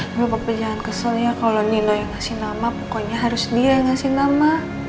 tapi bapak jangan kesel ya kalau nino yang ngasih nama pokoknya harus dia yang ngasih nama